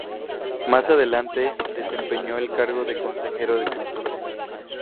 Más adelante desempeñó el cargo de consejero de cultura.